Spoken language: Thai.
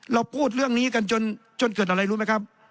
เราพูดเรื่องนี้กันจนเกิดอะไรรู้ไหมครับ